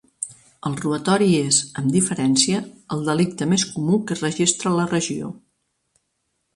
El robatori és, amb diferència, el delicte més comú que es registra a la regió.